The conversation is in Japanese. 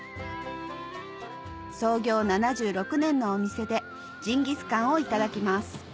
創業７６年のお店でジンギスカンをいただきます